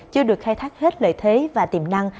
chưa được khai thác hết lợi thế và tiềm năng